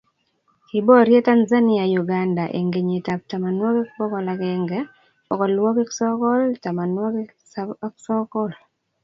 Kiborye Tanzania Uganda eng' kenyitab tamanwakik bokol akenge, bokolwokik sokol, tamanwakik tisap ak sokool